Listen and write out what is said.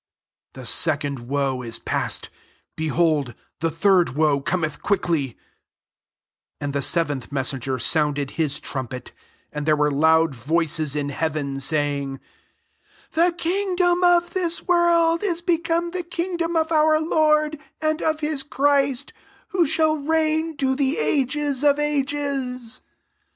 14 The second woe is past; behold, the third woe Cometh quickly* 15 And the seventh miesaen ger sounded his trumpet ; and there were loud voices in hea ven, saying, « The kingdom of this world is become the king" dom of our Lord, and of his Christ ; who shall reign to the ages of ages.'